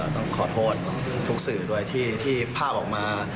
ต้องขอโทษทุกสื่อด้วยที่ภาพออกมา